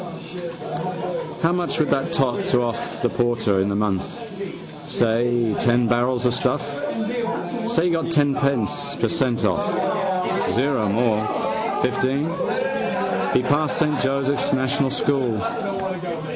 How much would that tot to off the porter in the month? Say ten barrels of stuff. Say he got ten per cent off. O more. Fifteen. He passed Saint Joseph's National school.